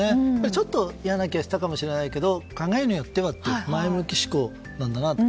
ちょっと嫌な気はしたかもしれないけど考えようによっては前向き思考なんだなと。